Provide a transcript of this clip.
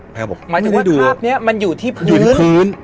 แพลวบอกหมายถึงว่าคราบเนี้ยมันอยู่ที่พื้นอยู่ที่พื้น